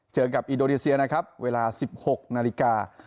เจอกับอินโดนีเซียนะครับเวลา๑๖นาฬิกา